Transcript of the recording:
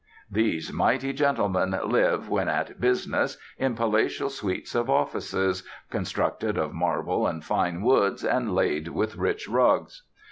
These mighty gentlemen live, when at business, in palatial suites of offices constructed of marble and fine woods and laid with rich rugs.